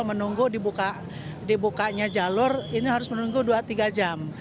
menunggu dibukanya jalur ini harus menunggu dua tiga jam